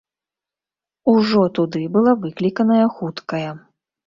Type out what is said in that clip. Ужо туды была выкліканая хуткая.